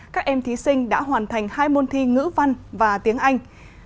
các em thí sinh đã hoàn thành hai môn thi ngữ văn và tiếng anh